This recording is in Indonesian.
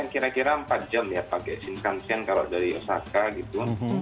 kira kira empat jam ya pakai simkan sen kalau dari osaka gitu